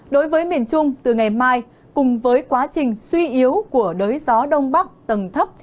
đối với miền trung từ ngày mai cùng với quá trình suy yếu của đới gió đông bắc tầng thấp